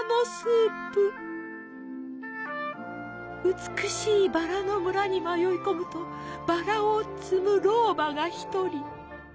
美しいバラの村に迷い込むとバラを摘む老婆が１人。